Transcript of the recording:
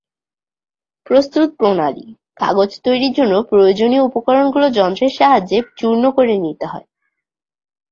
প্রস্তুতপ্রণালি: কাগজ তৈরির জন্য প্রয়োজনীয় উপকরণগুলো যন্ত্রের সাহাযে৵ চূর্ণ করে নিতে হয়।